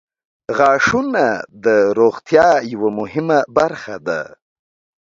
• غاښونه د روغتیا یوه مهمه برخه ده.